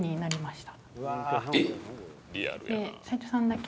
斉藤さんだけ。